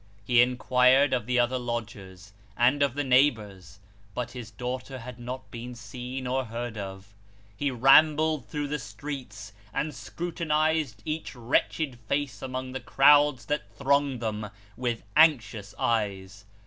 He inquired of the other lodgers, and of the neighbours ; but his daughter had not been seen or heard of. He rambled through the streets, and scrutinised each wretched face among the crowds that thronged them, with anxious eyes.